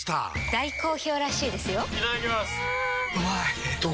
大好評らしいですよんうまい！